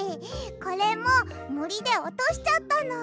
これももりでおとしちゃったの。